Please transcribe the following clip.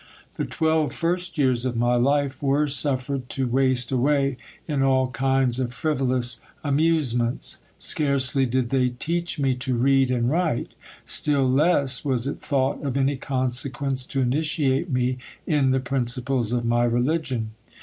The twelve first years of my life were suffered to waste away in ail kinds of frivolous amusements. Scarcely did they teach me to read and write. Still less was it thought of any consequence to initiate me in the principles of my religion.